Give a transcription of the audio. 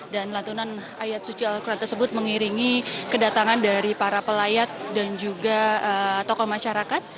dan lantunan ayat suci al quran tersebut mengiringi kedatangan dari para pelayat dan juga tokoh masyarakat